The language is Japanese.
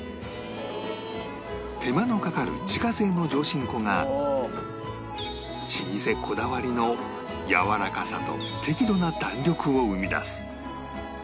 手間のかかる自家製の上新粉が老舗こだわりのやわらかさと適度な弾力を生み出す